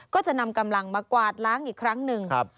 ก็จะนำกำลังมากวาดล้างอีกครั้งหนึ่ง